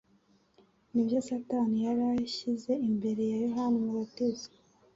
nibyo Satani yari ashyize imbere ya Yohana Umubatiza